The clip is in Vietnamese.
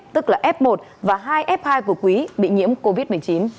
tức là f một và hai f hai của quý bị nhiễm covid một mươi chín